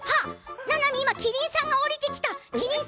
ななみ、今希林さんがおりてきた。